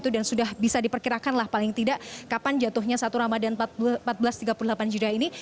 dan sudah bisa diperkirakan lah paling tidak kapan jatuhnya satu ramadhan empat belas tiga puluh delapan hijriah ini